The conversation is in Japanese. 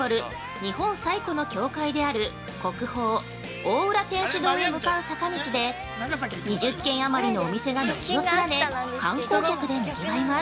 日本最古の教会である国宝・大浦天主堂へ向かう坂道で２０軒あまりのお店が軒をつらね観光客で賑わいます。